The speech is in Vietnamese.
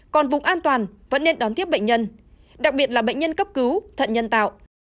còn vùng an toàn vẫn nên đón tiếp bệnh nhân đặc biệt là bệnh nhân cấp cứu thận nhân tạo